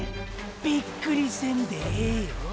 びっくりせんでええよ。